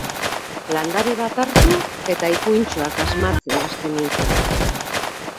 Landare bat hartu, eta ipuintxoak asmatzen hasten nintzen.